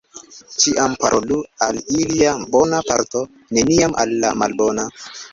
Ĉiam parolu al ilia bona parto, neniam al la malbona.